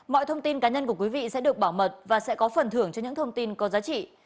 mọi thông tin cá nhân của quý vị sẽ được bảo mật và sẽ có phần thưởng cho những thông tin có giá trị